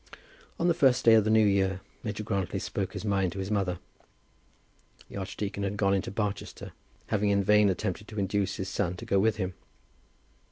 On the first day of the new year Major Grantly spoke his mind to his mother. The archdeacon had gone into Barchester, having in vain attempted to induce his son to go with him.